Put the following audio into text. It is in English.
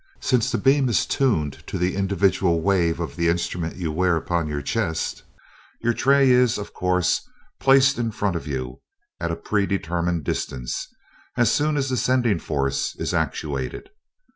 Since the beam is tuned to the individual wave of the instrument you wear upon your chest, your tray is, of course, placed in front of you, at a predetermined distance, as soon as the sending force is actuated.